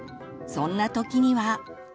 そんな時には。